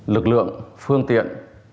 lực lượng phương tiện